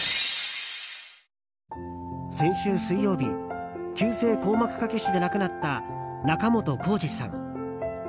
先週水曜日、急性硬膜下血腫で亡くなった仲本工事さん。